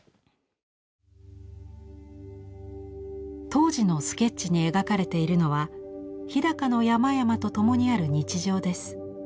当時のスケッチに描かれているのは日高の山々と共にある日常です。